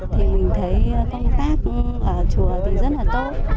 thì mình thấy công tác ở chùa thì rất là tốt